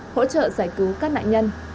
hỗ trợ giải cứu các nạn nhân